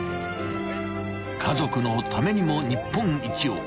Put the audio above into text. ［家族のためにも日本一を］